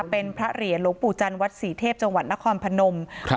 เป็นพระเหรียญหลวงปู่จันทร์วัดศรีเทพจังหวัดนครพนมครับ